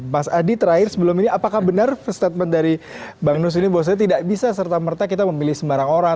mas adi terakhir sebelum ini apakah benar statement dari bang nus ini bahwa tidak bisa serta merta kita memilih sembarang orang